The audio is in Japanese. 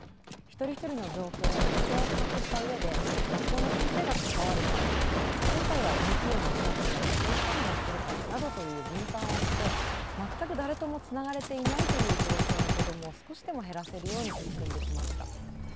一人一人の状況や特性を把握した上で学校の先生が関わるか今回はＮＰＯのスタッフが家庭訪問をするかなどという分担をして全く誰ともつながれていないという状況の子どもを少しでも減らせるように取り組んできました。